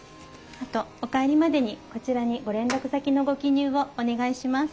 あとお帰りまでにこちらにご連絡先のご記入をお願いします。